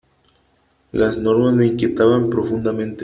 Las normas me inquietaban profundamente.